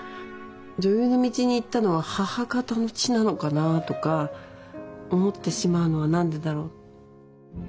女優の道に行ったのは母方の血なのかなとか思ってしまうのは何でだろう？